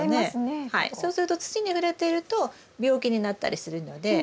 そうすると土に触れていると病気になったりするので。